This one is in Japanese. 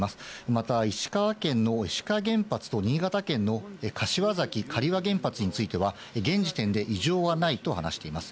また石川県の志賀原発と新潟県の柏崎刈羽原発については、現時点で異常はないと話しています。